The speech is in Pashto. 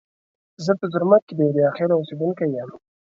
زه په زرمت کې د اوریاخیلو اوسیدونکي یم.